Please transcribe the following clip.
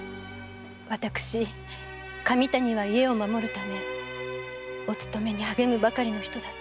私神谷は家を守るためお勤めに励むばかりの人だと。